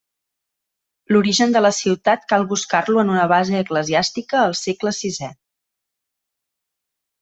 L'origen de la ciutat cal buscar-lo en una base eclesiàstica al segle sisè.